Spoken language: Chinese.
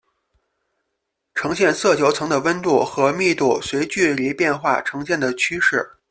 呈现色球层的温度和密度随距离变化呈现的趋势。